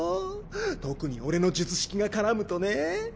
特に俺の術式が絡むとね。